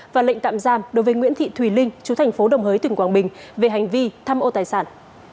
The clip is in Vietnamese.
và lệnh tạm giam đối với nguyễn thị thùy linh chú thành phố đồng hới tỉnh quảng bình về hành vi tham ô tài sản